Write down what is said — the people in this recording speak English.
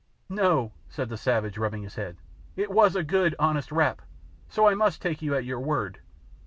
'' "No," said the savage, rubbing his head, "it was a good, honest rap, so I must take you at your word.